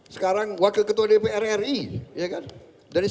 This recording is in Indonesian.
sekarang wakil ketua dpr ri